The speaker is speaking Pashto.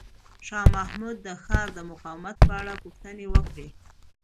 شاه محمود د ښار د مقاومت په اړه پوښتنې وکړې.